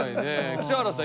北原さん